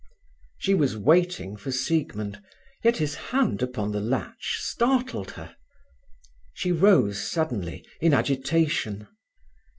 She was waiting for Siegmund, yet his hand upon the latch startled her. She rose suddenly, in agitation.